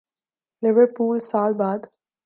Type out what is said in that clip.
Liverpool سال بعد